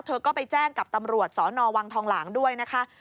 เธอก็ไปแจ้งกับตำรวจสนวังทองหลางด้วยนะคะ